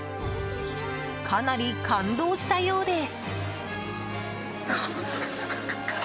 かなり感動したようです。